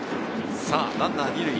ランナー２塁。